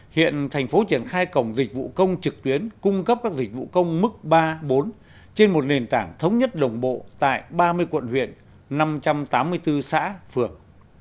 hiện thành phố triển khai cổng dịch vụ công trực tuyến cung cấp các dịch vụ công mức ba bốn trên một nền tảng thống nhất đồng bộ tại ba mươi quận huyện năm trăm tám mươi bốn xã phường